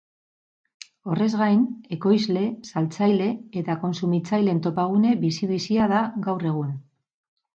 Horrez gain, ekoizle, saltzaile eta kontsumitzaileen topagune bizi-bizia da gaur egun.